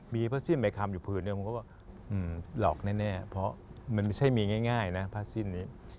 มีผ้าสิ้นไปคำอยู่ผืนหนึ่งผมก็ว่าหลอกแน่เพราะมันไม่ใช่มีง่ายนะผ้าสิ้นนี้